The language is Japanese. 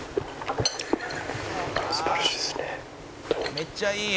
「めっちゃいい！」